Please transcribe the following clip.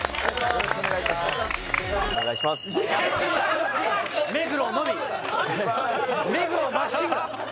よろしくお願いいたします目黒